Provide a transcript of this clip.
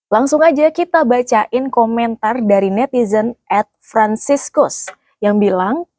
langsung aja kita bacain komentar dari netizen ad franciscus yang bilang